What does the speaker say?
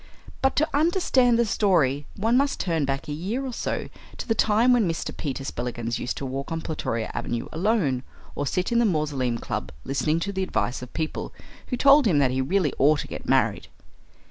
But to understand the story one must turn back a year or so to the time when Mr. Peter Spillikins used to walk on Plutoria Avenue alone, or sit in the Mausoleum Club listening to the advice of people who told him that he really ought to get married.